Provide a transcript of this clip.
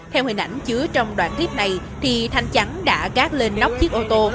theo hình ảnh chứa trong đoạn clip này thì thanh chắn đã gác lên nóc chiếc ô tô